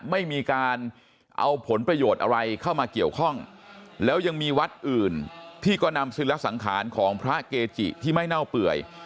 ไม่มีการเอาผลประโยชน์อะไรเข้ามาเกี่ยวข้องแล้วยังมีวัดอื่นที่ก็นำศิลสังขารของพระเกจิที่ไม่เน่าเปื่อย